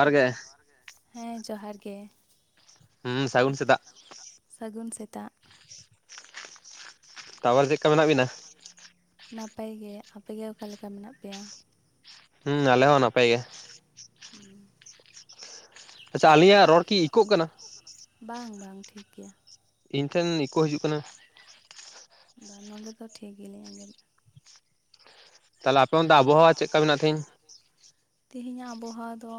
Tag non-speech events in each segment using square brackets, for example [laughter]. Hello ᱡᱚᱦᱟᱨ ᱜᱮ ᱦᱮᱸ ᱡᱚᱦᱟᱨ ᱜᱮ᱾ ᱦᱩᱸ ᱥᱟᱹᱜᱩᱱ ᱥᱤᱛᱟᱜ᱾ ᱥᱟᱹᱜᱩᱱ ᱥᱮᱛᱟᱜ ᱛᱟᱯᱚᱨ ᱪᱮᱫ ᱞᱮᱠᱟ ᱢᱮᱱᱟᱜ [unintelligible] ᱵᱤᱱᱟ ᱪᱮᱫ ᱞᱮᱠᱟ ᱢᱮᱱᱟᱜ ᱵᱤᱱᱟ? ᱱᱟᱯᱟᱭ ᱜᱮ ᱟᱯᱮ ᱜᱮ ᱚᱠᱟ ᱞᱮᱠᱟ ᱢᱮᱱᱟᱜ ᱯᱮᱭᱟ? ᱦᱩᱸ ᱟᱞᱮ ᱦᱚᱸ ᱟᱞᱮ ᱦᱚᱸ ᱱᱟᱯᱟᱭ ᱜᱮ ᱦᱩᱸ ᱟᱪᱪᱷᱟ ᱟᱹᱞᱤᱧᱟᱸᱜ ᱨᱚᱲ ᱠᱤ ᱤᱠᱳᱜ ᱠᱟᱱᱟ? ᱵᱟᱝ ᱵᱟᱝ ᱴᱷᱤᱠ ᱜᱮᱭᱟ᱾ ᱤᱧ ᱴᱷᱮᱱ ᱤᱠᱳ ᱦᱤᱡᱩᱜ ᱠᱟᱱᱟ᱾ ᱵᱟᱝ ᱱᱚᱸᱰᱮ ᱫᱚ ᱴᱷᱤᱠ ᱜᱤᱞᱤᱧ ᱟᱸᱡᱚᱢᱮᱫ ᱛᱟᱦᱚᱞᱮ ᱟᱯᱮ ᱚᱱᱛᱮ ᱟᱵᱚᱦᱟᱣᱟ ᱪᱮᱫᱠᱟ ᱢᱮᱱᱟᱜ-ᱟ ᱛᱮᱦᱤᱧ? ᱛᱤᱦᱤᱧᱟᱜ ᱟᱵᱚᱦᱟᱣᱟ ᱫᱚ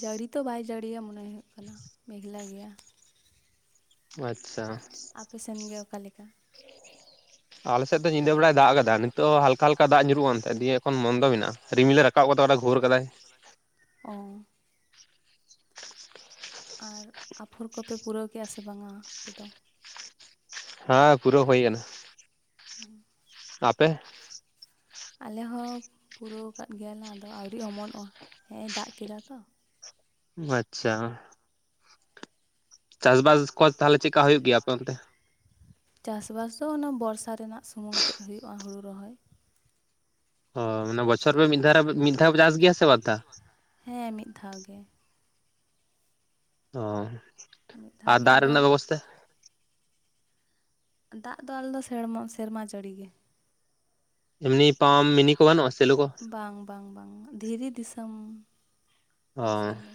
ᱡᱟᱹᱲᱤ ᱛᱚ ᱵᱟᱭ ᱡᱟᱹᱲᱤᱭᱟ ᱢᱚᱱᱮ ᱦᱩᱭᱩᱜ ᱠᱟᱱᱟ ᱢᱮᱜᱽᱞᱟ ᱜᱮᱭᱟ᱾ ᱟᱪᱪᱷᱟ ᱟᱯᱮ ᱥᱮᱱ ᱜᱮ ᱚᱠᱟᱞᱮᱠᱟ? ᱟᱞᱮ ᱥᱮᱫ ᱫᱚ ᱧᱤᱫᱟᱹ ᱵᱮᱲᱟᱭ ᱫᱟᱜᱽ ᱠᱟᱫᱟ ᱱᱤᱛᱚᱜ ᱦᱟᱞᱠᱟ ᱦᱟᱞᱠᱟ ᱫᱟᱜᱽ ᱧᱩᱨᱩᱜ-ᱟ ᱫᱤᱭᱮ ᱮᱠᱷᱚᱱ ᱵᱚᱱᱫᱚ ᱢᱮᱱᱟᱜᱼᱟ ᱨᱤᱢᱤᱞᱮ ᱨᱟ ᱨᱟᱠᱟᱵ ᱠᱟᱫᱟᱭ ᱜᱷᱩᱨ ᱠᱟᱫᱟᱭ᱾ ᱚ ᱟᱨ ᱟᱯᱷᱩᱨ ᱠᱚᱯᱮ ᱯᱩᱨᱟᱹᱣ ᱠᱮᱼᱟ ᱥᱮ ᱵᱟᱝ-ᱟ ᱟᱯᱮ ᱫᱚ? ᱦᱮᱸ ᱯᱩᱨᱟᱹ ᱦᱟᱸ ᱦᱩᱭ ᱠᱟᱱᱟ ᱯᱩᱨᱟᱹᱣ ᱦᱩᱭᱠᱟᱱᱟ ᱦᱩᱸ᱾ ᱟᱯᱮ ᱟᱞᱮ ᱦᱚᱸ ᱯᱩᱨᱟᱹᱣ ᱠᱟᱫ ᱜᱮᱭᱟ ᱞᱮ ᱟᱫᱚ ᱟᱣᱨᱤ ᱚᱢᱚᱱᱚᱜᱼᱟ ᱦᱮᱜᱸ-ᱮᱭ ᱫᱟᱜᱽ ᱠᱮᱫᱟ ᱛᱚ᱾ ᱟᱪᱪᱷᱟ ᱪᱟᱥ-ᱵᱟᱥ ᱠᱚ ᱛᱟᱦᱞᱮ ᱪᱮᱫᱠᱟ ᱦᱩᱭᱩᱜ ᱜᱮᱭᱟ ᱟᱯᱮ ᱚᱱᱛᱮ? ᱪᱟᱥ-ᱵᱟᱥ ᱫᱚ ᱚᱱᱟ ᱵᱚᱨᱥᱟ ᱨᱮᱱᱟᱜ ᱥᱩᱢᱩᱝ ᱛᱮᱫ ᱦᱩᱭᱩᱜᱼᱟ ᱦᱩᱲᱩ ᱨᱚᱦᱚᱭ ᱚ ᱢᱟᱱᱮ ᱵᱚᱪᱷᱚᱨ ᱯᱮ ᱢᱤᱫᱷᱟᱨᱮ ᱢᱤᱫᱷᱟᱣ ᱯᱮ ᱢᱤᱫ ᱫᱷᱟᱣ ᱪᱟᱥ ᱜᱮᱭᱟ ᱥᱮ ᱵᱟᱨᱫᱷᱟᱣ? ᱦᱮᱸ ᱢᱤᱫ ᱫᱷᱟᱣ ᱜᱮ᱾ ᱚ ᱢᱤᱫ ᱫᱷᱟᱣ ᱟᱨ ᱜᱮ ᱫᱟᱜᱽ ᱟᱫᱚ ᱨᱮᱱᱟᱜ ᱵᱮᱵᱚᱥᱛᱷᱟ᱾ ᱫᱟᱜᱽ ᱫᱚ ᱟᱞᱮ ᱫᱚ ᱥᱮᱲᱢᱟ ᱥᱮᱨᱢᱟ ᱡᱟᱹᱲᱤᱜ ᱜᱮ ᱮᱢᱱᱤ ᱯᱟᱢᱯ ᱢᱤᱱᱤ ᱠᱚ ᱵᱟᱹᱱᱩᱜᱼᱟ ᱥᱮᱞᱳ ᱠᱚ᱾ ᱵᱟᱝ ᱵᱟᱝ ᱵᱟᱝ ᱫᱷᱤᱨᱤ ᱫᱤᱥᱚᱢ ᱚ ᱟᱞᱮ ᱥᱮᱱ ᱫᱚ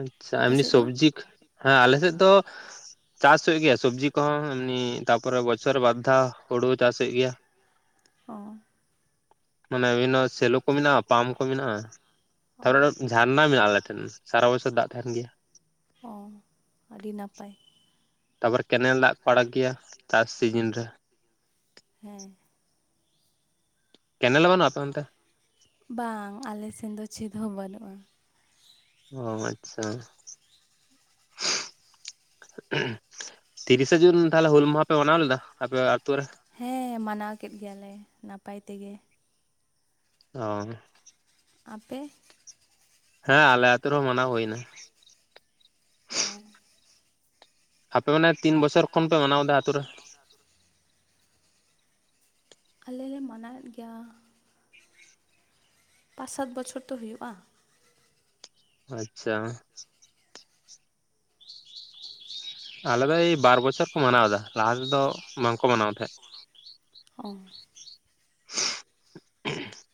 ᱟᱪᱪᱷᱟ ᱟᱯᱮ ᱮᱢᱱᱤ ᱥᱮᱫ ᱫᱚ ᱥᱚᱵᱽᱡᱤᱠ, ᱦᱮᱸ ᱟᱞᱮ ᱥᱮᱫ ᱫᱚᱼᱼ ᱪᱟᱥ ᱦᱩᱭᱩᱜ ᱜᱮᱭᱟ ᱥᱚᱵᱽᱡᱤ ᱠᱚᱦᱚᱸ ᱮᱢᱱᱤ ᱛᱟᱨᱯᱚᱨᱮ ᱵᱚᱪᱷᱚᱨ ᱵᱟᱨ ᱫᱷᱟᱣ, ᱦᱩᱲᱩ ᱪᱟᱥ ᱦᱩᱭᱩᱜ ᱜᱮᱭᱟ᱾ ᱚ ᱢᱟᱱᱮ ᱟᱵᱤᱱᱟᱜ ᱥᱮᱹᱞᱳ ᱠᱚ ᱢᱮᱱᱟᱜᱼᱟ ᱯᱟᱢ ᱠᱚ ᱢᱮᱱᱟᱜᱼᱟ, ᱚ ᱠᱟᱮᱚᱱᱚ ᱡᱷᱟᱨᱱᱟ ᱢᱮᱱᱟᱜᱼᱟ ᱟᱞᱮ ᱴᱷᱮᱱ ᱾ ᱥᱟᱨᱟ ᱵᱚᱪᱷᱚᱨ ᱫᱟᱜ ᱛᱟᱦᱮᱱ ᱜᱮᱭᱟ ᱾ ᱚ ᱟᱹᱰᱤ ᱱᱟᱯᱟᱭ ᱾ ᱛᱟᱨᱯᱚᱨ ᱠᱮᱱᱮᱞ ᱫᱟᱜ ᱠᱚ ᱟᱲᱟᱜ ᱜᱮᱭᱟ, ᱪᱟᱥ ᱥᱤᱡᱤᱱ ᱨᱮᱼᱼ ᱦᱮᱸ ᱠᱮᱱᱮᱞ ᱵᱟᱹᱱᱩᱜ-ᱟ ᱟᱯᱮ ᱚᱱᱛᱮ? ᱵᱟᱝ ᱟᱞᱮ ᱥᱮᱱ ᱫᱚ ᱪᱮᱫ ᱦᱚᱸ ᱵᱟᱹᱱᱩᱜᱼᱟ ᱾ ᱚ ᱟᱪᱪᱷᱟ [inaudible] ᱛᱤᱨᱤᱥᱮ ᱡᱩᱱ ᱛᱟᱦᱚᱞᱮ ᱦᱩᱞ ᱢᱟᱦᱟ ᱯᱮ ᱢᱟᱱᱟᱣ ᱞᱮᱫᱟ, ᱟᱯᱮ ᱟᱹᱛᱩ ᱨᱮ? ᱦᱮᱸ ᱢᱟᱱᱟᱣ ᱠᱮᱫ ᱜᱮᱭᱟᱞᱮ ᱱᱟᱯᱟᱭ ᱛᱮᱜᱮ ᱾ ᱚ ᱟᱯᱮ ᱦᱮᱸ ᱟᱞᱮ ᱟᱛᱩ ᱨᱮᱦᱚᱸ ᱢᱟᱱᱟᱣ ᱦᱩᱭ ᱮᱱᱟ ᱾ ᱚᱻ [unintelligible] ᱟᱯᱮ ᱢᱟᱱᱮ ᱛᱤᱱ ᱵᱚᱪᱷᱚᱨ ᱠᱷᱚᱱ ᱯᱮ ᱢᱟᱱᱟᱣ ᱮᱫᱟ ᱟᱛᱩ ᱨᱮ ᱾ ᱟᱞᱮ ᱞᱮ ᱢᱟᱱᱟᱣ ᱮᱫ ᱜᱮᱭᱟ ᱯᱟᱸᱪ ᱥᱟᱛ ᱵᱚᱪᱷᱚᱨ ᱛᱚ ᱦᱩᱭᱩᱜ-ᱟ᱾ ᱟᱪᱪᱷᱟ ᱟᱞᱮ ᱫᱚ ᱮᱭ ᱵᱟᱨ ᱵᱚᱪᱷᱚᱨ ᱠᱚ ᱢᱟᱱᱟᱣ ᱮᱫᱟ, ᱞᱟᱦᱟ ᱛᱮᱫᱚ ᱵᱟᱝᱠᱚ ᱢᱟᱱᱟᱣ ᱛᱟᱦᱮᱸᱫ᱾ ᱚᱸ [inaudible]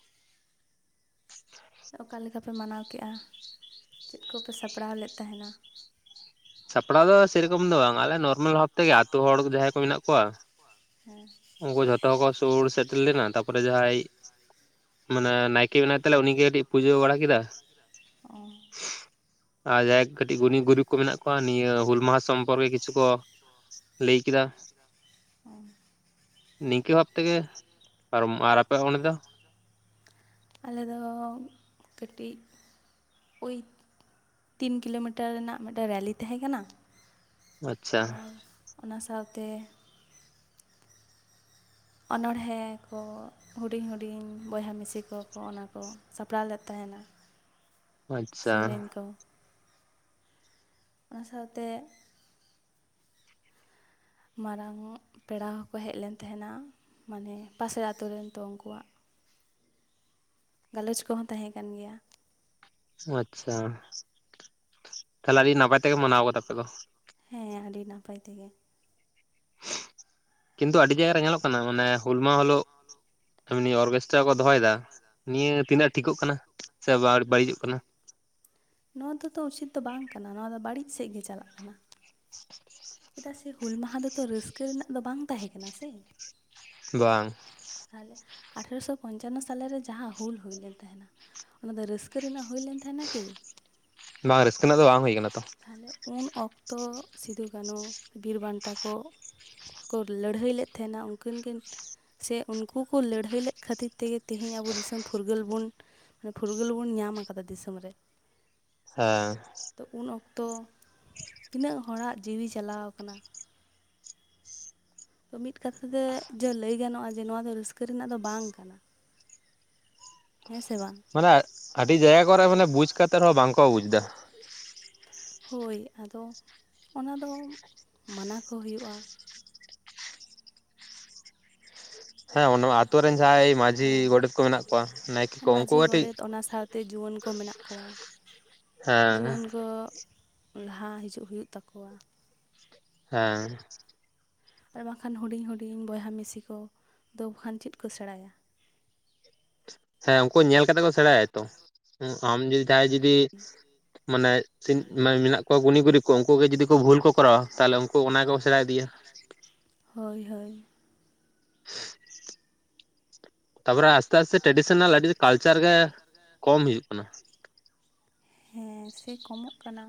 ᱚᱠᱟ ᱞᱮᱠᱟᱯᱮ ᱢᱟᱱᱟᱣ ᱠᱮᱫᱜ-ᱟ, ᱪᱮᱫ ᱠᱚᱯᱮ ᱥᱟᱯᱲᱟᱣ ᱞᱮᱫ ᱛᱟᱦᱮᱱᱟ ᱾ ᱥᱟᱯᱲᱟᱣ ᱫᱚ ᱥᱮᱨᱚᱠᱚᱢ ᱫᱚ ᱵᱟᱝ ᱟᱞᱮ ᱱᱚᱨᱢᱟᱞ ᱵᱷᱟᱵ ᱛᱮᱜᱮ ᱟᱛᱩ ᱦᱚᱲ ᱡᱟᱦᱟᱸᱭ ᱠᱚ ᱢᱮᱱᱟᱜ ᱠᱚᱣᱟ. ᱼᱼ ᱦᱮᱸ ᱩᱱᱠᱩ ᱡᱷᱚᱛᱚ ᱠᱚ ᱥᱩᱨ ᱥᱮᱴᱮᱨ ᱞᱮᱱᱟ ᱛᱟᱨᱯᱚᱨᱮ ᱡᱟᱦᱟᱸᱭ ᱢᱟᱱᱮ ᱱᱟᱭᱠᱮ ᱢᱮᱱᱟᱭ ᱛᱟᱞᱮ ᱩᱱᱤᱜᱮ ᱠᱟᱹᱴᱤᱡ ᱯᱩᱡᱟᱹ ᱵᱟᱲᱟ ᱠᱮᱫᱟ. ᱾ ᱚ ᱟᱨ ᱡᱟᱦᱟᱸᱭ ᱠᱟᱹᱴᱤᱡ ᱜᱩᱱᱤ ᱜᱩᱨᱤᱵ ᱠᱚ ᱢᱮᱱᱟᱜ ᱠᱚᱣᱟᱼᱼ ᱱᱤᱭᱟᱹ ᱦᱩᱞ ᱢᱟᱦᱟ ᱥᱚᱢᱯᱚᱨᱠᱮ ᱠᱤᱪᱷᱩ ᱠᱚ ᱞᱟᱹᱭ ᱠᱮᱫᱟ ᱾ ᱚ ᱱᱤᱝᱠᱟᱹ ᱵᱷᱟᱵᱽ ᱛᱮᱜᱮ ᱯᱟᱨᱚᱢᱚᱜᱼᱟ, ᱟᱨ ᱟᱯᱮ ᱚᱸᱰᱮ ᱫᱚ? ᱟᱞᱮ ᱫᱚ, ᱠᱟᱹᱴᱤᱡᱼᱼ ᱳᱭ ᱛᱤᱱ ᱠᱤᱞᱳᱢᱤᱴᱟᱨ ᱨᱮᱱᱟᱜ ᱢᱤᱫᱴᱮᱱ ᱨᱮᱞᱤ ᱛᱟᱦᱮᱸ ᱠᱟᱱᱟ ᱾ ᱟᱪᱪᱷᱟ ᱟᱨ ᱚᱱᱟ ᱥᱟᱶᱛᱮᱼᱼ ᱚᱱᱚᱬ ᱦᱮ ᱠᱚ ᱦᱩᱰᱤᱧ ᱦᱩᱰᱤᱧ ᱵᱚᱭᱦᱟ ᱢᱤᱥᱤ ᱠᱚᱠᱚ ᱚᱱᱟ ᱠᱚ ᱥᱟᱯᱲᱟᱣ ᱞᱮᱫ ᱛᱟᱦᱮᱱᱟ᱾ ᱟᱪᱪᱷᱟ ᱥᱮᱨᱮᱧ ᱠᱚ ᱚᱱᱟ ᱥᱟᱶᱛᱮ ᱢᱟᱨᱟᱝᱼᱚᱜ ᱯᱮᱲᱟ ᱦᱚᱸᱠᱚ ᱦᱮᱡ ᱞᱮᱱ ᱛᱟᱦᱮᱱᱟ ᱢᱟᱱᱮ ᱯᱟᱥᱮᱨ ᱟᱛᱩ ᱨᱮᱱ ᱛᱚ ᱩᱱᱠᱩᱣᱟᱜ ᱾ ᱜᱟᱞᱚᱪ ᱠᱚᱦᱚᱸ ᱛᱟᱦᱮᱸ ᱠᱟᱱ ᱜᱮᱭᱟ᱾ ᱟᱪᱪᱷᱟ, ᱛᱟᱦᱞᱮ ᱟᱹᱰᱤ ᱱᱟᱯᱟᱭ ᱛᱮᱜᱮ ᱢᱟᱱᱟᱣ ᱠᱟᱫᱟᱯᱮ ᱟᱯᱮ ᱫᱚ ᱾ ᱦᱮᱸ ᱟᱹᱰᱤ ᱱᱟᱯᱟᱭ ᱛᱮᱜᱮ. ᱠᱤᱱᱛᱩ ᱟᱹᱰᱤ ᱡᱟᱭᱜᱟ ᱨᱮ ᱧᱮᱞᱚᱜ ᱠᱟᱱᱟ ᱢᱟᱱᱮ ᱦᱩᱞ ᱢᱟᱦᱟ ᱦᱤᱞᱳᱜ ᱮᱢᱱᱤ ᱚᱨᱼᱼᱼ [unintelligible] ᱠᱚ ᱫᱚᱦᱚᱭ ᱮᱫᱟ ᱱᱤᱭᱟᱹ ᱛᱤᱱᱟᱹᱜ ᱴᱷᱤᱠᱚᱜ ᱠᱟᱱᱟ ᱥᱮ ᱵᱟᱹᱲᱤᱡᱚᱜ ᱠᱟᱱᱟ᱾ ᱱᱚᱣᱟ ᱫᱚ ᱛᱚ ᱩᱪᱤᱛ ᱫᱚ ᱵᱟᱝ ᱠᱟᱱᱟ ᱱᱚᱣᱟ ᱫᱚ ᱵᱟᱹᱲᱤᱡ ᱥᱮᱫ ᱜᱮ ᱪᱟᱞᱟᱜ ᱠᱟᱱᱟ᱾ ᱪᱮᱫᱟᱜ ᱥᱮ ᱦᱩᱞ ᱢᱟᱦᱟ ᱫᱚᱛᱚ ᱨᱟᱹᱥᱠᱟᱹ ᱨᱮᱱᱟᱜ ᱫᱚ ᱵᱟᱝ ᱛᱟᱦᱮᱸ ᱠᱟᱱᱟ ᱥᱮ᱾ ᱵᱟᱝ᱾ ᱛᱟᱦᱞᱮ ᱟᱴᱷᱮᱨᱚᱥᱚ ᱯᱚᱧᱪᱟᱱᱱᱚ ᱥᱟᱞᱮᱨᱮ ᱡᱟᱦᱟᱸ ᱦᱩᱞ ᱦᱩᱭ ᱞᱮᱱ ᱛᱟᱦᱮᱱᱟ ᱚᱱᱟ ᱫᱚ ᱨᱟᱹᱥᱠᱟᱹ ᱨᱮᱱᱟᱜ ᱦᱩᱭᱞᱮᱱ ᱛᱟᱦᱮᱱᱟ ᱠᱤ? ᱵᱟᱝ ᱨᱟᱹᱥᱠᱟᱹ ᱨᱮᱱᱟᱜ ᱫᱚ ᱵᱟᱝ ᱦᱩᱭ ᱠᱟᱱᱟ᱾ ᱛᱟᱦᱞᱮ ᱩᱱ ᱚᱠᱛᱚ ᱥᱤᱫᱷᱩ ᱠᱟᱱᱩ ᱵᱤᱨ ᱵᱟᱱᱴᱟ ᱠᱚ, ᱠᱚ ᱞᱟᱹᱲᱦᱟᱹᱭ ᱞᱮᱫ ᱛᱟᱦᱮᱱᱟ ᱩᱝᱠᱤᱱ ᱠᱤᱱ ᱥᱮ ᱩᱱᱠᱩ ᱠᱚ ᱞᱟᱹᱲᱦᱟᱹᱭ ᱞᱮᱫ ᱠᱷᱟᱹᱛᱤᱨ ᱛᱮᱜᱮ ᱛᱮᱦᱮᱧ ᱟᱵᱚ ᱫᱤᱥᱚᱢ ᱯᱷᱩᱨᱜᱟᱹᱞ ᱵᱚᱱ ᱦᱮᱸ, ᱯᱷᱩᱨᱜᱟᱹᱞ ᱵᱚᱱ ᱧᱟᱢ ᱟᱠᱟᱫᱟ ᱫᱤᱥᱚᱢ ᱨᱮ᱾ ᱦᱮᱸ᱾ ᱛᱚ ᱩᱱ ᱚᱠᱛᱚ ᱛᱤᱱᱟᱹᱜ ᱦᱚᱲᱟᱜ ᱡᱤᱣᱤ ᱪᱟᱞᱟᱣ ᱟᱠᱟᱱᱟ᱾ ᱛᱚ, ᱢᱤᱫ ᱠᱟᱛᱷᱟ ᱛᱮ ᱡᱮ ᱞᱟᱹᱭ ᱜᱟᱱᱚᱜ-ᱟ ᱡᱮ ᱱᱚᱣᱟ ᱫᱚ ᱨᱟᱹᱥᱠᱟᱹ ᱨᱮᱱᱟᱜ ᱫᱚ ᱵᱟᱝ ᱠᱟᱱᱟ᱾ ᱦᱮᱸ ᱥᱮ ᱵᱟᱝ [unintelligible] ᱟᱹᱰᱤ ᱡᱟᱭᱜᱟ ᱠᱚᱨᱮ ᱢᱟᱱᱮ ᱵᱩᱡᱽ ᱠᱟᱛᱮᱜ ᱦᱚᱸ ᱵᱟᱝᱠᱚ ᱵᱩᱡᱽᱫᱟ᱾ ᱦᱳᱭ ᱟᱫᱚ ᱚᱱᱟ ᱫᱚ ᱢᱟᱱᱟ ᱠᱚ ᱦᱩᱭᱩᱜ-ᱟ᱾ ᱦᱮᱸ ᱱᱚᱣᱟ ᱟᱹᱛᱩ ᱨᱮᱱ ᱡᱟᱦᱟᱸᱭ ᱢᱟᱺᱡᱷᱤ ᱦᱮᱸ ᱜᱚᱰᱮᱛ ᱠᱚ ᱢᱮᱱᱟᱜ ᱠᱚᱣᱟ ᱱᱟᱭᱠᱮ ᱠᱚ ᱩᱝᱠᱩ ᱠᱟᱹᱴᱤᱡ ᱛᱮ ᱡᱩᱣᱟᱹᱱ ᱠᱚ ᱢᱮᱱᱟᱜ ᱠᱚᱣᱟ, ᱦᱮᱸ ᱡᱩᱣᱟᱹᱱ ᱠᱚ ᱞᱟᱦᱟ ᱦᱤᱡᱩᱜ ᱦᱩᱭᱩᱜ ᱛᱟᱠᱚᱣᱟ᱾ ᱦᱮᱸ᱾ ᱟᱨ ᱵᱟᱝᱠᱷᱟᱱ ᱦᱩᱰᱤᱧ ᱦᱩᱰᱤᱧ ᱵᱚᱭᱦᱟ ᱢᱤᱥᱤ ᱠᱚ ᱫᱚ ᱵᱟᱠᱷᱟᱱ ᱪᱮᱫ ᱠᱚ ᱥᱮᱬᱟᱭᱟ? ᱦᱮᱸ ᱩᱝᱠᱩ ᱦᱚᱸ ᱧᱮᱞ ᱠᱟᱛᱮ ᱠᱚ ᱥᱮᱬᱟᱭᱟ ᱛᱚ ᱟᱢ ᱡᱩᱫᱤ ᱡᱟᱦᱟᱸᱭ ᱡᱩᱫᱤ ᱢᱟᱱᱮ ᱥᱤᱴ ᱢᱟᱱᱮ ᱢᱮᱱᱟᱜ ᱠᱚᱣᱟ ᱜᱩᱱᱤ ᱜᱩᱨᱤᱵ ᱠᱚ ᱩᱝᱠᱩ ᱜᱮ ᱡᱩᱫᱤ ᱠᱚ ᱵᱷᱩᱞ ᱠᱚ ᱠᱚᱨᱟᱣᱟ, ᱛᱟᱦᱞᱮ ᱩᱝᱠᱩ ᱚᱱᱟ ᱜᱮᱠᱚ ᱥᱮᱬᱟ ᱤᱫᱤᱭᱟ᱾ ᱦᱳᱭ ᱦᱳᱭ᱾ [unintelligible] ᱛᱟᱯᱚᱨᱮ ᱟᱥᱛᱮ ᱟᱥᱛᱮ ᱴᱨᱮᱰᱤᱥᱮᱱᱟᱞ ᱟᱹᱰᱤ ᱠᱟᱞᱪᱟᱨ ᱜᱮ ᱠᱚᱢ ᱦᱤᱡᱩᱜ ᱠᱟᱱᱟ᱾ ᱦᱮᱸ ᱥᱮ ᱠᱚᱢᱚᱜ ᱠᱟᱱᱟ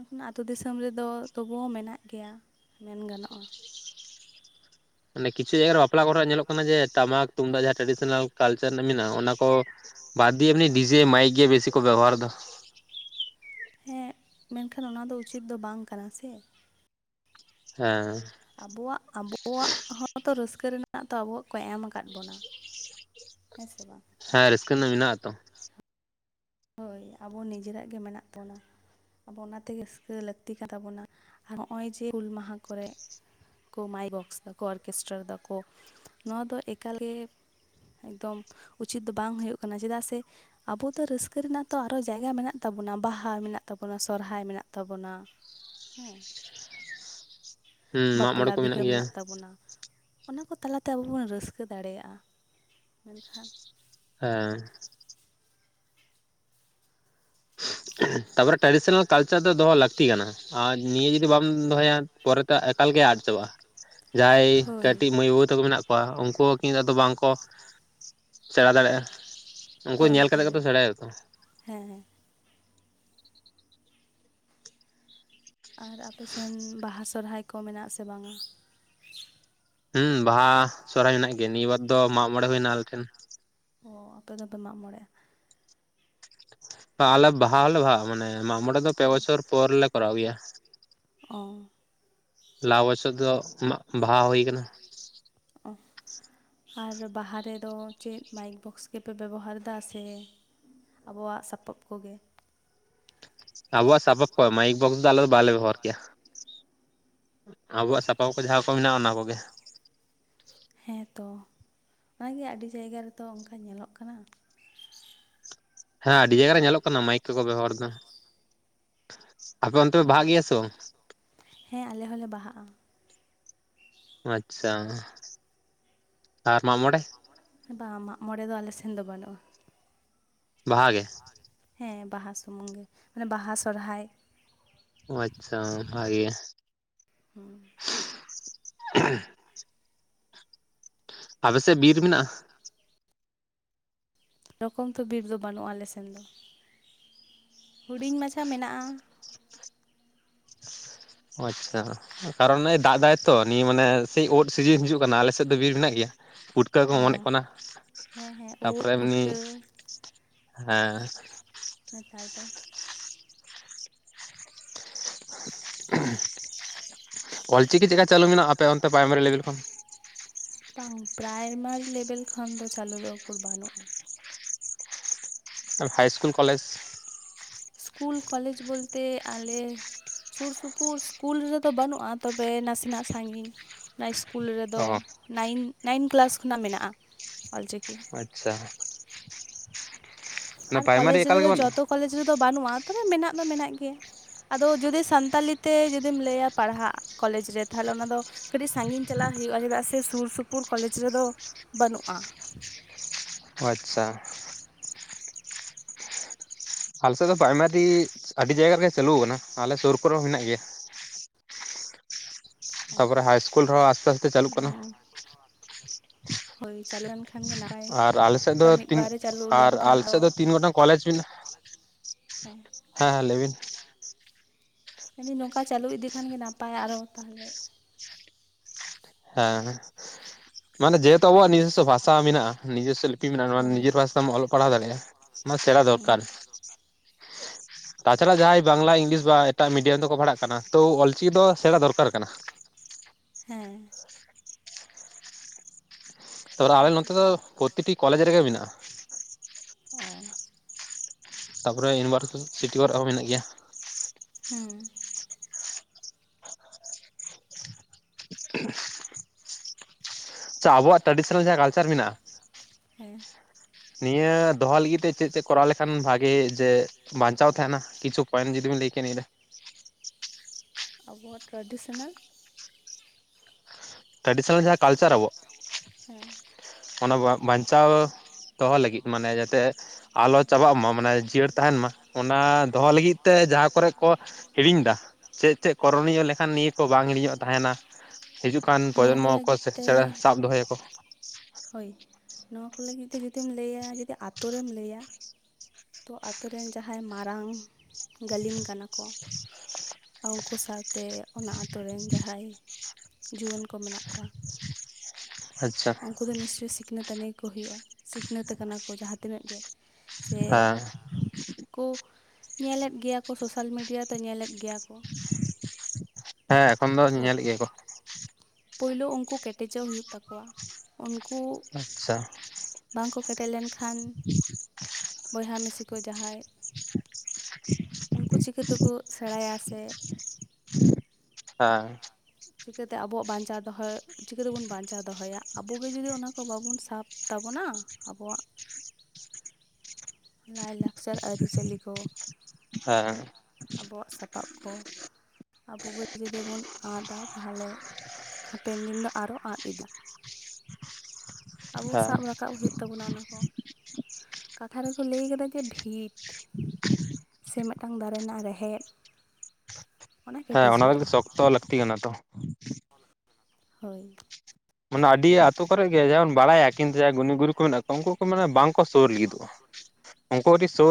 ᱤᱠᱷᱟᱹᱱ ᱟᱛᱳ ᱫᱤᱥᱚᱢ ᱨᱮᱫᱚ ᱛᱚᱵᱩᱣᱳ ᱢᱮᱱᱟᱜ ᱜᱮᱭᱟ, ᱢᱮᱱ ᱜᱟᱱᱚᱜᱼᱟ᱾ ᱢᱟᱱᱮ ᱠᱤᱪᱷᱩ ᱡᱟᱭᱜᱟ ᱨᱮ ᱵᱟᱯᱞᱟ ᱠᱚᱨᱮ ᱦᱚ ᱧᱮᱞᱚᱜ ᱠᱟᱱᱟ ᱡᱮ ᱴᱟᱢᱟᱠ ᱛᱩᱢᱫᱟᱜ ᱡᱟᱦᱟᱸ ᱴᱨᱮᱰᱤᱥᱮᱱᱟᱞ ᱠᱟᱞᱪᱟᱨ ᱨᱮᱱᱟᱜ ᱢᱮᱱᱟᱜᱼᱟ ᱚᱱᱟ ᱠᱚ ᱵᱟᱫ ᱫᱤᱭᱮ ᱮᱢᱱᱤ ᱰᱤᱡᱮ ᱢᱟᱭᱤᱠ ᱜᱮ ᱵᱮᱥᱤ ᱠᱚ ᱵᱮᱵᱚᱦᱟᱨ ᱫᱚ᱾ ᱦᱮᱸ ᱢᱮᱱᱠᱷᱟᱱ ᱚᱱᱟ ᱫᱚ ᱩᱪᱤᱛ ᱫᱚ ᱵᱟᱝ ᱠᱟᱱᱟ ᱥᱮ᱾ ᱦᱮᱸ᱾ ᱟᱵᱚᱣᱟᱜ ᱟᱵᱚᱣᱟᱜ ᱦᱚᱸᱛᱚ ᱨᱟᱹᱥᱠᱟᱹ ᱨᱮᱱᱟᱜ ᱛᱚ ᱟᱵᱚᱣᱟᱜ ᱠᱚ ᱮᱢ ᱟᱠᱟᱫ ᱵᱚᱱᱟ᱾ ᱦᱮᱸ ᱥᱮ ᱵᱟᱝ᱾ ᱦᱮᱸ ᱨᱟᱹᱥᱠᱟᱹ ᱨᱮᱱᱟᱜ ᱢᱮᱱᱟᱜ-ᱟ ᱛᱚ᱾ ᱦᱳᱭ ᱟᱵᱚ ᱱᱤᱡᱮᱨᱟᱜ ᱜᱮ ᱢᱮᱱᱟᱜ ᱛᱟᱵᱚᱱᱟ᱾ ᱟᱵᱚ ᱚᱱᱟ ᱛᱮᱜᱮ ᱨᱟᱹᱥᱠᱟᱹᱭ ᱞᱟᱹᱠᱛᱤ ᱠᱟᱱ ᱛᱟᱵᱚᱱᱟ ᱟᱨ ᱱᱚᱜ-ᱚᱭ ᱡᱮ ᱦᱩᱞ ᱢᱟᱦᱟ ᱠᱚᱨᱮ ᱠᱚ ᱢᱟᱭᱤᱠ ᱵᱚᱠᱥ ᱫᱟᱠᱚ ᱚᱨᱜᱮᱥᱴᱟᱨ ᱫᱟᱠᱚ ᱱᱚᱣᱟ ᱫᱚ ᱮᱠᱟᱞ ᱜᱮ ᱮᱠᱫᱚᱢ ᱩᱪᱤᱛ ᱫᱚ ᱵᱟᱝ ᱦᱩᱭᱩᱜ ᱠᱟᱱᱟ ᱪᱮᱫᱟᱜ ᱥᱮ ᱟᱵᱚ ᱫᱚ ᱨᱟᱹᱥ ᱠᱚ ᱨᱮᱱᱟᱜ ᱛᱚ ᱟᱨᱚ ᱡᱟᱭᱜᱟ ᱢᱮᱱᱟᱜ ᱛᱟᱵᱚᱱᱟ ᱵᱟᱦᱟ ᱢᱮᱱᱟᱜ ᱛᱟᱵᱚᱱᱟ ᱥᱚᱦᱨᱟᱭ ᱢᱮᱱᱟᱜ ᱛᱟᱵᱚᱱᱟ᱾ ᱦᱮᱸ᱾ ᱦᱩᱸ ᱢᱟᱜ ᱢᱚᱬᱮ ᱵᱟᱯᱞᱟ ᱠᱚ ᱵᱤᱦᱟᱹ ᱜᱮᱭᱟ ᱢᱮᱱᱟᱜ ᱛᱟᱵᱚᱱᱟ᱾ ᱚᱱᱟ ᱠᱚ ᱛᱟᱞᱟᱛᱮ ᱟᱵᱚ ᱵᱚᱱ ᱨᱟᱹᱥᱠᱟᱹ ᱫᱟᱲᱮᱭᱟᱜᱼᱟ ᱢᱮᱱᱠᱷᱟᱱ ᱦᱮᱸ᱾ ᱛᱟᱯᱚᱨᱮ ᱴᱨᱟᱰᱤᱥᱚᱱᱟᱞ ᱠᱟᱞᱪᱟᱨ ᱫᱚ ᱫᱚᱦᱚ ᱞᱟᱹᱠᱛᱤ ᱠᱟᱱᱟ ᱟᱨ ᱱᱤᱭᱟᱹ ᱡᱩᱫᱤ ᱵᱟᱢ ᱫᱚᱦᱚᱭᱟ ᱯᱚᱨᱮ ᱛᱮ ᱮᱠᱟᱞ ᱜᱮ ᱟᱫ ᱪᱟᱵᱟᱜᱼᱟ᱾ ᱡᱟᱦᱟᱸᱭ ᱦᱳᱭ ᱠᱟᱹᱴᱤᱡ ᱢᱟᱹᱭ ᱵᱟᱹᱵᱩ ᱛᱟᱠᱚ ᱢᱮᱱᱟᱜ ᱠᱚᱣᱟ ᱩᱱᱠᱩ ᱠᱤᱱᱛᱩ ᱟᱫᱚ ᱵᱟᱝᱠᱚ ᱥᱮᱢᱟ ᱫᱟᱲᱮᱭᱟᱜᱼᱟ, ᱩᱝᱠᱩ ᱧᱮᱞ ᱦᱳᱭ ᱠᱟᱛᱮ ᱜᱮᱛᱚ ᱦᱳᱭ ᱥᱮᱢᱟᱭ ᱦᱩᱭᱩᱜ-ᱟ ᱛᱚ ᱦᱮᱸ᱾ ᱟᱨ ᱟᱯᱮ ᱥᱮᱱ ᱵᱟᱦᱟ ᱥᱚᱨᱦᱟᱭ ᱠᱚ ᱢᱮᱱᱟᱜ-ᱟ ᱥᱮ ᱵᱟᱝᱟ? ᱦᱮᱸ ᱵᱟᱦᱟ ᱥᱚᱨᱦᱟᱭ ᱢᱮᱱᱟᱜ ᱜᱮᱭᱟ ᱱᱤᱭᱟᱹ ᱵᱟᱨ ᱫᱚ ᱢᱟᱜ ᱢᱚᱬᱮ ᱦᱩᱭᱱᱟ ᱟᱞᱮ ᱴᱷᱮᱱ ᱚ ᱟᱯᱮ ᱫᱚᱯᱮ ᱢᱟᱜ ᱢᱚᱬᱮᱜ-ᱟ ᱟᱞᱮ ᱵᱟᱦᱟ ᱦᱚᱸᱞᱮ ᱵᱟᱦᱟᱜᱼᱟ ᱢᱟᱱᱮ ᱢᱟᱜ ᱢᱚᱬᱮ ᱫᱚ ᱯᱮ ᱵᱚᱪᱷᱚᱨ ᱯᱚᱨ ᱞᱮ ᱠᱚᱨᱟᱣ ᱜᱮᱭᱟ ᱚ ᱞᱟᱣ ᱵᱚᱪᱷᱚᱨ ᱫᱚ ᱢᱟᱜ ᱵᱟᱦᱟ ᱦᱩᱭ ᱟᱠᱟᱱᱟ ᱚᱦ ᱟᱨ ᱵᱟᱦᱟ ᱨᱮᱫᱚ ᱪᱮᱫ ᱢᱟᱭᱤᱠ ᱵᱚᱠᱥ ᱜᱮᱯᱮ ᱵᱮᱵᱚᱦᱟᱨ ᱮᱫᱟ ᱥᱮ ᱟᱵᱚᱣᱟᱜ ᱥᱟᱯᱟᱯ ᱠᱚᱜᱮ ᱟᱵᱚᱣᱟᱜ ᱥᱟᱯᱟᱯ ᱠᱚ ᱢᱟᱭᱤᱠ ᱵᱚᱠᱥ ᱫᱚ ᱟᱞᱮ ᱫᱚ ᱵᱟᱞᱮ ᱵᱮᱵᱚᱦᱟᱨ ᱠᱮᱭᱟ ᱟᱵᱚᱣᱟᱜ ᱥᱟᱯᱟᱯ ᱠᱚ ᱡᱟᱦᱟᱸ ᱠᱚ ᱢᱮᱱᱟᱜᱼᱟ ᱚᱱᱟ ᱠᱚᱜᱮ ᱦᱮᱸ ᱛᱚ ᱦᱚᱭ ᱜᱮ ᱟᱹᱰᱤ ᱡᱟᱭᱜᱟ ᱨᱮᱛᱚ ᱚᱱᱠᱟ ᱧᱮᱞᱚᱜ ᱠᱟᱱᱟ ᱦᱮᱸ ᱟᱹᱰᱤ ᱡᱟᱭᱜᱟ ᱨᱮ ᱧᱮᱞᱚᱜ ᱠᱟᱱᱟ ᱢᱟᱭᱤᱠ ᱠᱚᱠᱚ ᱵᱮᱵᱚᱦᱟᱨ ᱫᱟ ᱥᱮ ᱵᱟᱝ? ᱦᱮᱸ ᱟᱞᱮ ᱦᱚᱸᱞᱮ ᱵᱟᱦᱟᱜᱼᱟ ᱟᱪᱪᱷᱟ ᱟᱨ ᱢᱟᱜ ᱢᱚᱬᱮ ᱟᱨ ᱦᱚᱸ ᱵᱟᱝ ᱢᱟᱜ ᱢᱚᱲᱮ ᱫᱚ ᱟᱞᱮ ᱥᱮᱱ ᱫᱚ ᱵᱟᱹᱱᱩᱜᱼᱟ ᱵᱟᱦᱟ ᱜᱮ ᱦᱮᱸ ᱵᱟᱦᱟ ᱥᱩᱢᱩᱝ ᱜᱮ ᱢᱟᱱᱮ ᱵᱟᱦᱟ ᱥᱚᱨᱦᱟᱭ ᱚ ᱟᱪᱪᱷᱟ ᱵᱷᱟᱜᱮ ᱟᱯᱮᱥᱮᱫ ᱵᱤᱨ ᱢᱮᱱᱟᱜᱼᱟ ᱨᱚᱠᱚᱢ ᱛᱚ ᱵᱤᱨ ᱫᱚ ᱵᱟᱹᱱᱩᱜ-ᱟ ᱟᱞᱮ ᱥᱮᱱ ᱫᱚ ᱦᱩᱰᱤᱧ ᱢᱟᱪᱷᱟ ᱢᱮᱱᱟᱜ-ᱟ ᱚ ᱟᱪᱪᱷᱟ ᱠᱟᱨᱚᱱᱮ ᱫᱟᱜ ᱫᱟᱭ ᱛᱚ ᱱᱤᱭᱟᱹ ᱢᱟᱱᱮ ᱥᱮᱭ ᱚᱫ ᱥᱤᱡᱤᱱ ᱦᱤᱡᱩᱜ ᱠᱟᱱᱟ ᱟᱞᱮ ᱥᱮᱫ ᱫᱚ ᱵᱤᱨ ᱢᱮᱱᱟᱜ ᱜᱮᱭᱟ ᱯᱩᱴᱠᱟᱹ ᱠᱚ ᱚ ᱚᱢᱚᱱᱚᱜ ᱠᱟᱱᱟ ᱦᱮᱸ ᱦᱮᱸ ᱩᱫ ᱛᱟᱨᱯᱚᱨᱮ ᱮᱢᱱᱤ ᱯᱩᱴᱠᱟᱹ ᱦᱮᱸ ᱱᱮᱛᱟᱨ ᱫᱚ ᱚᱞᱪᱤᱠᱤ ᱪᱮᱫᱟᱜ ᱪᱟᱹᱞᱩ ᱢᱮᱱᱟᱜᱼᱟ ᱟᱯᱮ ᱚᱱᱛᱮ ᱯᱨᱟᱭᱢᱟᱨᱤ ᱞᱮᱵᱮᱞ ᱠᱷᱚᱱ ᱵᱟᱝ ᱯᱨᱟᱭᱢᱟᱨᱤ ᱞᱮᱵᱮᱞ ᱠᱷᱚᱱ ᱫᱚ ᱪᱟᱹᱞᱩ ᱫᱚ ᱩᱠᱩᱨ ᱵᱟᱹᱱᱩᱜ-ᱟ ᱟᱨ ᱦᱟᱭ ᱤᱥᱠᱩᱞ ᱠᱚᱞᱮᱡᱽ ᱤᱥᱠᱩᱞ ᱠᱚᱞᱮᱡᱽ ᱵᱚᱞᱛᱮ ᱟᱞᱮ ᱥᱩᱨ ᱥᱩᱯᱩᱨ ᱤᱥᱠᱩᱞ ᱨᱮᱫᱚ ᱵᱟᱹᱱᱩᱜ-ᱟ ᱛᱚᱵᱮ ᱱᱟᱥᱮᱱᱟᱜ ᱥᱟᱺᱜᱤᱧ ᱚᱱᱟ ᱤᱥᱠᱩᱞ ᱨᱮᱫᱚ ᱚ ᱱᱟᱭᱤᱱ ᱱᱟᱭᱤᱱ ᱠᱮᱞᱟᱥ ᱠᱷᱚᱱᱟᱜ ᱢᱮᱱᱟᱜ-ᱟ ᱚᱞᱪᱤᱠᱤ ᱟᱪᱪᱷᱟ ᱚᱱᱟ ᱟᱨ ᱯᱨᱟᱭᱢᱟᱨᱤ ᱠᱚᱞᱮᱡᱽ ᱮᱠᱟᱞ ᱨᱮᱫᱚ ᱜᱮ ᱡᱚᱛᱚ ᱵᱟᱹᱱᱩᱜᱼᱟ ᱠᱚᱞᱮᱡᱽ ᱨᱮᱫᱚ ᱵᱟᱹᱱᱩᱜ-ᱟ ᱛᱚᱵᱮ ᱢᱮᱱᱟᱜ ᱫᱚ ᱢᱮᱱᱟᱜ ᱜᱮᱭᱟ ᱟᱫᱚ ᱡᱩᱫᱤ ᱥᱟᱱᱛᱟᱞᱤ ᱛᱮ ᱡᱩᱫᱤᱢ ᱞᱟᱹᱭᱟ ᱯᱟᱲᱦᱟᱜ ᱠᱚᱞᱮᱡᱽ ᱨᱮ ᱛᱷᱟᱞᱮ ᱚᱱᱟ ᱫᱚ ᱠᱟᱹᱴᱤᱜ ᱥᱟᱺᱜᱤᱧ ᱪᱟᱞᱟᱜ ᱦᱩᱭᱩᱜ-ᱟ ᱪᱮᱫᱟᱜ ᱥᱮ ᱥᱩᱨ ᱥᱩᱯᱩᱨ ᱠᱚᱞᱮᱡᱽ ᱨᱮᱫᱚ ᱵᱟᱹᱱᱩᱜ-ᱟ ᱟᱪᱪᱷᱟ ᱟᱞᱮ ᱥᱮᱫ ᱫᱚ ᱯᱟᱭᱢᱟᱨᱤ ᱟᱹᱰᱤ ᱡᱟᱭᱜᱟ ᱨᱮᱜᱮ ᱪᱟᱹᱞᱩ ᱠᱟᱱᱟ ᱟᱞᱮ ᱥᱩᱨ ᱠᱚᱨᱮ ᱦᱚᱸ ᱦᱮᱱᱟᱜ ᱜᱮᱭᱟ ᱛᱟᱯᱚᱨᱮ ᱦᱟᱭ ᱤᱥᱠᱩᱞ ᱨᱮᱦᱚᱸ ᱟᱥᱛᱮ ᱟᱥᱛᱮ ᱪᱟᱞᱩᱜ ᱠᱟᱱᱟ ᱦᱚᱭ ᱪᱟᱹᱞᱩ ᱞᱮᱱᱠᱷᱟᱱ ᱜᱮ ᱱᱟᱯᱟᱭ ᱟᱨ ᱟᱞᱮ ᱥᱮᱫ ᱚᱱᱠᱟ ᱫᱚ ᱢᱤᱫ ᱛᱤᱱ ᱵᱟᱨ ᱪᱟᱹᱞᱩ ᱟᱨ ᱞᱮᱱᱠᱷᱟᱱ ᱟᱞᱮ ᱥᱮᱫ ᱫᱚ ᱛᱤᱱ ᱜᱚᱴᱟᱝ ᱠᱚᱞᱮᱡᱽ ᱢᱮᱱᱟᱜᱼᱟ [inaudible] ᱦᱮᱸ ᱦᱮᱸ ᱦᱮᱸ ᱞᱟᱹᱭ ᱵᱤᱱ ᱞᱟ. ᱭᱫᱤᱧ ᱱᱚᱝᱠᱟ ᱪᱟᱹᱞᱩ ᱤᱫᱤ ᱠᱷᱟᱱ ᱜᱮ ᱱᱟᱯᱟᱭᱟ ᱟᱨᱚ ᱛᱟᱦᱞᱮ ᱦᱮᱸ ᱢᱟᱱᱮ ᱡᱮᱵ ᱟᱵᱚᱣᱟᱜ ᱱᱤᱡᱚᱥᱥᱚ ᱵᱷᱟᱥᱟ ᱢᱮᱱᱟᱜᱼᱟ ᱛᱚ ᱟᱵᱚᱣᱟᱜ ᱛᱟᱣᱟ ᱱᱤᱡᱚᱥᱥᱚ ᱵᱷᱟᱥᱟ ᱢᱮᱱᱟᱜ-ᱟ ᱱᱤᱡᱮᱥᱥᱚ ᱞᱤᱯᱤ ᱢᱮᱱᱟᱜ-ᱟ ᱦᱳᱭ ᱱᱤᱡᱮᱨ ᱵᱷᱟᱥᱢ ᱚᱞ ᱯᱟᱲᱦᱟᱣ ᱫᱟᱲᱮᱭᱟᱜᱼᱟ ᱱᱚᱣᱟ ᱥᱮᱬᱟ ᱫᱚᱨᱠᱟᱨ [unintelligible] ᱛᱟᱪᱷᱟᱲᱟ ᱡᱟᱦᱟᱸᱭ ᱵᱟᱝᱞᱟ ᱤᱝᱞᱤᱥ ᱵᱟ ᱮᱴᱟᱜ ᱢᱤᱰᱤᱭᱟᱢ ᱛᱮᱠᱚ ᱯᱟᱲᱦᱟᱜ ᱠᱟᱱᱟ ᱛᱚ ᱚᱞ ᱪᱤᱠᱤ ᱫᱚ ᱥᱮᱬᱟ ᱫᱚᱨᱠᱟᱨ ᱠᱟᱱᱟ ᱦᱮᱸ ᱛᱚ ᱟᱞᱮ ᱱᱚᱛᱮ ᱫᱚ ᱚᱞᱪᱤᱠᱤ ᱯᱨᱚᱛᱤᱴᱤ ᱠᱚᱞᱮᱡᱽ ᱨᱮᱜᱮ ᱢᱮᱱᱟᱜ-ᱟ ᱚ ᱛᱟᱯᱚᱨᱮ ᱭᱩᱱᱤᱵᱷᱟᱨ ᱥᱤᱴᱤ ᱠᱚᱨᱮ ᱦᱚᱸ ᱢᱮᱱᱟᱜ ᱜᱮᱭᱟ ᱦᱩᱸ ᱟᱪᱷᱟ ᱟᱵᱚᱣᱟᱜ ᱴᱰᱤᱥᱚᱱᱟᱞ ᱡᱟᱦᱟᱸ ᱠᱟᱞᱪᱟᱨ ᱢᱮᱱᱟᱜᱼᱟ ᱾ ᱦᱮᱸ ᱱᱤᱭᱟᱹ ᱫᱚᱦᱚ ᱞᱟᱹᱜᱤᱫ ᱛᱮ ᱪᱮᱫ ᱪᱮᱫ ᱠᱚᱨᱟᱣ ᱞᱮᱠᱷᱟᱱ ᱵᱷᱟᱜᱤ ᱡᱮ ᱵᱟᱧᱪᱟᱣ ᱛᱟᱦᱮᱱᱟ, ᱠᱤᱪᱷᱩ ᱠᱤᱱ ᱡᱩᱫᱤᱵᱮᱱ ᱞᱟᱹᱭ ᱠᱮᱭᱟ ᱱᱤᱭᱟᱹᱨᱮ? ᱟᱵᱚᱣᱟᱜ ᱴᱟᱨᱟᱰᱤᱥᱱᱟᱞ, ᱴᱨᱟᱰᱤᱥᱚᱱᱟᱞ ᱡᱟᱦᱟᱸ ᱠᱟᱞᱪᱟᱨ ᱟᱵᱚᱣᱟᱜ [unintelligible] ᱦᱩᱸ ᱚᱱᱟ ᱵᱟᱧᱪᱟᱣ ᱫᱚᱦᱚ ᱞᱟᱹᱜᱤᱫ ᱢᱟᱱᱮ ᱡᱟᱛᱮ ᱟᱞᱚ ᱪᱟᱵᱟᱜ ᱢᱟ ᱢᱟᱱᱮ ᱡᱤᱭᱟᱹᱲ ᱛᱟᱦᱮᱱ ᱢᱟ ᱾ ᱚᱱᱟ ᱫᱚᱦᱚ ᱞᱟᱹᱜᱤᱫ ᱛᱮ ᱡᱟᱦᱟᱸ ᱠᱚᱨᱮ ᱠᱚ ᱦᱤᱲᱤᱧ ᱫᱟ ᱾ ᱪᱮᱫ ᱪᱮᱫ ᱠᱚᱨᱚᱱᱤᱭᱟᱹ ᱞᱮᱠᱷᱟᱱ ᱱᱤᱭᱟᱹ ᱠᱚ ᱵᱟᱝ ᱦᱤᱲᱤᱧᱚᱜ ᱛᱟᱦᱮᱱᱟ ᱾ ᱦᱤᱡᱩᱜ ᱠᱟᱱ ᱱᱚᱣᱟ ᱯᱨᱚᱡᱚᱱᱢᱚ ᱠᱚ ᱞᱟᱹᱜᱤᱫ ᱛᱮ ᱥᱟᱵ ᱫᱚᱦᱚᱭᱟᱠᱚ ᱾ ᱦᱳᱭ, ᱱᱚᱣᱟ ᱠᱚ ᱞᱟᱹᱜᱤᱫ ᱛᱮ ᱡᱩᱫᱤᱢ ᱞᱟᱹᱭᱟ ᱡᱩᱫᱤ ᱟᱛᱳᱨᱮᱢ ᱞᱟᱹᱭᱟ, ᱛᱳ ᱟᱛᱳ ᱨᱮᱱ ᱡᱟᱦᱟᱸᱭ ᱢᱟᱨᱟᱝ ᱜᱟᱹᱞᱤᱢ ᱠᱟᱱᱟ ᱠᱚ, ᱩᱱᱠᱩ ᱥᱟᱶᱛᱮ ᱚᱱᱟ ᱟᱛᱳ ᱨᱮᱱ ᱡᱟᱦᱟᱸᱭ ᱡᱩᱣᱟᱹᱱ ᱠᱚ ᱢᱮᱱᱟᱜ ᱠᱚᱣᱟ ᱾ ᱟᱪᱪᱷᱟ ᱩᱱᱠᱩ ᱫᱚ ᱱᱤᱥᱪᱳᱭ ᱥᱤᱠᱷᱱᱟᱹᱛᱟ. ᱱᱤ ᱜᱮ ᱠᱚ ᱦᱩᱭᱩᱜᱼᱟ, ᱥᱤᱠᱷᱱᱟᱹᱛ ᱠᱟᱱᱟ ᱠᱚ ᱡᱟᱦᱟᱸ ᱛᱤᱱᱟᱹᱵ ᱜᱮ ᱾ ᱥᱮ, ᱦᱮᱸ ᱠᱚ ᱧᱮᱞᱮᱫ ᱜᱮᱭᱟ ᱠᱚ ᱥᱳᱥᱟᱞ ᱢᱤᱰᱤᱭᱟ ᱛᱮ ᱧᱮᱞᱮᱫ ᱜᱮᱭᱟ ᱠᱚ ᱦᱮᱸ, ᱮᱠᱷᱚᱱ ᱫᱚ ᱛᱚ ᱧᱮᱞᱮᱫ ᱜᱮᱭᱟ ᱠᱚ ᱾ ᱯᱳᱭᱞᱳ ᱩᱱᱠᱩ ᱠᱮᱴᱮᱡᱚᱜ ᱦᱩᱭᱩᱜ ᱛᱟᱠᱚᱣᱟ, ᱩᱱᱠᱩ ᱟᱪᱪᱷᱟ ᱵᱟᱝ ᱠᱚ ᱠᱮᱴᱮᱡ ᱞᱮᱱᱠᱷᱟᱱ ᱵᱚᱭᱦᱟ ᱢᱤᱥᱤ ᱠᱚ ᱡᱟᱦᱟᱸᱭ [inaudible] ᱩᱱᱠᱩ ᱪᱤᱠᱟᱹ ᱛᱮᱠᱚ ᱥᱮᱬᱟᱭᱟ ᱥᱮ, ᱦᱮᱸ ᱪᱤᱠᱟᱹᱛᱮ ᱟᱵᱚᱣᱟᱜ ᱵᱟᱧᱪᱟᱣ ᱫᱚᱦᱚ ᱪᱤᱠᱟᱹᱛᱮᱵᱚᱱ ᱵᱟᱧᱪᱟᱣ ᱫᱚᱦᱚᱭᱟ, ᱟᱵᱚᱜᱮ ᱡᱩᱫᱤ ᱚᱱᱟ ᱠᱚ ᱵᱟᱵᱚᱱ ᱥᱟᱵᱽ ᱛᱟᱵᱚᱱᱟ ᱟᱵᱚᱣᱟᱜ, ᱞᱟᱭᱼᱞᱟᱠᱪᱟᱨ ᱟᱹᱨᱤ ᱪᱟᱹᱞᱤ ᱠᱚ, ᱦᱮᱸ ᱟᱵᱚᱣᱟᱜ ᱥᱟᱯᱟᱯ ᱠᱚ, ᱟᱵᱚᱜᱮ ᱡᱩᱫᱤ ᱵᱚᱱ ᱟᱫᱟ ᱛᱟᱦᱚᱞᱮ ᱦᱟᱯᱮᱱ ᱫᱤᱱ ᱫᱚ ᱟᱨᱚ ᱟᱫ ᱮᱫᱟ ᱾ [inaudible] ᱟᱵᱚ ᱦᱮᱸ ᱥᱟᱵ ᱨᱟᱠᱟᱵ ᱦᱩᱭᱩᱜ ᱛᱟᱵᱚᱱᱟ ᱚᱱᱟ ᱠᱚ ᱾ ᱠᱟᱛᱷᱟ ᱨᱮ ᱠᱚ ᱞᱟᱹᱭ ᱟᱠᱟᱫᱟ ᱡᱮ ᱵᱷᱤᱛ, ᱥᱮ ᱢᱤᱫᱴᱟᱝ ᱫᱟᱨᱮ ᱨᱮᱱᱟᱜ ᱨᱮᱦᱮᱫ, ᱦᱮᱸ, ᱠᱮᱴᱮᱡ ᱚᱱᱟ ᱠᱳᱫᱳ ᱦᱩᱭᱩᱜᱼᱟ ᱥᱚᱠᱛᱚ ᱞᱟᱹᱠᱛᱤ ᱠᱟᱱᱟ ᱛᱚ ᱾ ᱦᱳᱭ ᱢᱟᱱᱮ ᱟᱹᱰᱤ ᱟᱛᱩ ᱠᱚᱨᱮᱜ ᱜᱮ ᱡᱟᱦᱟᱸᱭ ᱵᱚᱱ ᱵᱟᱲᱟᱭᱟ, ᱠᱤᱱᱛᱩ ᱡᱟᱦᱟᱸᱭ ᱜᱩᱱᱤ ᱜᱩᱨᱩ ᱠᱚ ᱢᱮᱱᱟᱜ ᱠᱚᱣᱟ ᱩᱱᱠᱩ ᱠᱚ ᱢᱟᱱᱮ ᱵᱟᱝᱠᱚ ᱥᱳᱨ ᱞᱟᱹᱜᱤᱫᱚᱜᱼᱟ ᱾ ᱩᱱᱠᱩ ᱠᱟᱴᱤᱡ ᱥᱩ